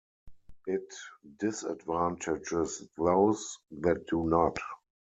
It disadvantages those that do not.